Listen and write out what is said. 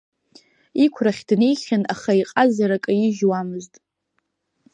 Иқәрахь днеихьан, аха иҟазара каижьуамызт.